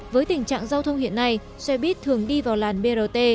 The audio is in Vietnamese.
với tình trạng giao thông hiện nay xe buýt thường đi vào làn brt